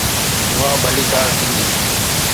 اها ڀليڪار ٿيندي.